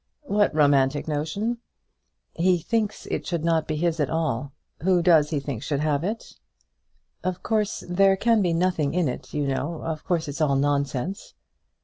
"What romantic notion?" "He thinks it should not be his at all." "Whose then? Who does he think should have it?" "Of course there can be nothing in it, you know; of course it's all nonsense."